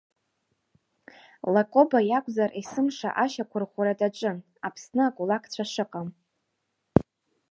Лакоба иакәзар, есымша ашьақәырӷәӷәара даҿын Аԥсны акулакцәа шыҟам.